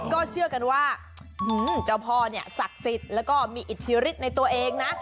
ก็เชื่อกันว่าเจ้าพ่อเนี่ยศักดิ์สิทธิ์แล้วก็มีอิทธิฤทธิในตัวเองนะ